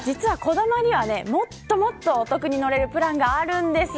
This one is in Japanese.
こだまにはもっともっとお得に乗れるプランがあるんです。